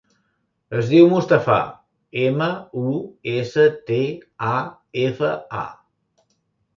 Es diu Mustafa: ema, u, essa, te, a, efa, a.